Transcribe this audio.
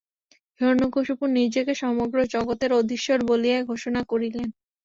হিরণ্যকশিপু নিজেকে সমগ্র জগতের অধীশ্বর বলিয়া ঘোষণা করিলেন।